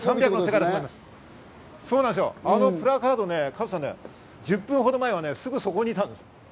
プラカードね、加藤さん、１０分ほど前はすぐそこにいたんです。